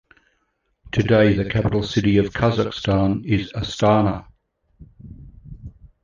Today, the capital city of Kazakhstan is Astana.